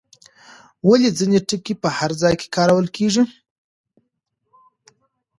ولې ځینې ټکي په هر ځای کې کارول کېږي؟